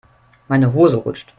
Meine Hose rutscht.